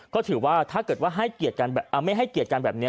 ก็ถือว่าถ้าเกิดว่าไม่ให้เกียรติกันแบบนี้